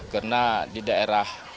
karena di daerah pemukiman